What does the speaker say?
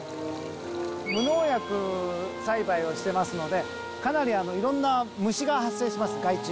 無農薬栽培をしてますので、かなりいろんな虫が発生します、害虫。